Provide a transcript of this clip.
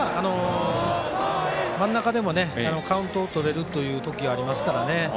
真ん中でもカウントをとれるという時ありますからね。